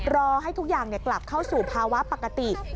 รอให้ทุกอย่างกลับเข้าสู่ภาวะปกติ